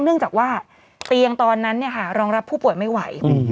เนื่องจากว่าเตียงตอนนั้นรองรับผู้ป่วยไม่ไหว